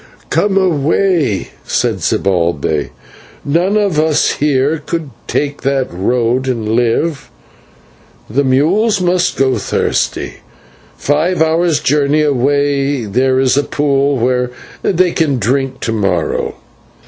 "Come away," said Zibalbay; "none of us here could take that road and live. The mules must go thirsty; five hours' journey away there is a pool where they can drink to morrow."